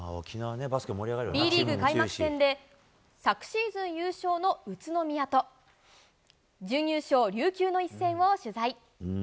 Ｂリーグ開幕戦で、昨シーズン優勝の宇都宮と、準優勝、琉球の一戦を取材。